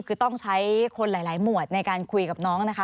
คือต้องใช้คนหลายหมวดในการคุยกับน้องนะคะ